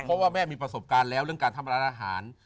เพราะว่าแม่มีประสบการณ์แล้วเรื่องการทำร้านอาหาร